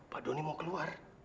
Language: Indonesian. pak doni mau keluar